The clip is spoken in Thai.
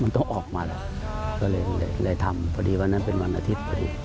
มันต้องออกมาแล้วก็เลยทำพอดีวันนั้นเป็นวันอาทิตย์พอดี